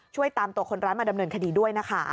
ช่วยตามตัวคนร้ายมาดำเนินคดีด้วยนะคะ